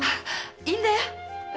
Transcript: いいんだよ。